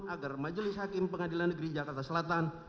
agar majelis hakim pengadilan negeri jakarta selatan